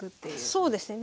そうですね。